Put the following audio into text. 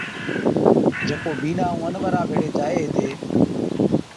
جڪو بِينڏا ائُون اَنورا ڀيڙي جائي ھِتين